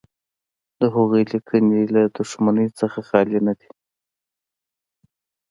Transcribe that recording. د هغوی لیکنې له دښمنۍ څخه خالي نه دي.